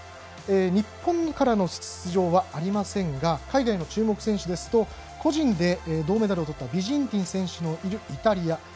日本からの出場はありませんが海外の注目選手ですと個人で銅メダルをとったビジンティン選手のいるイタリア。